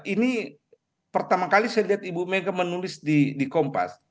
ini pertama kali saya lihat ibu mega menulis di kompas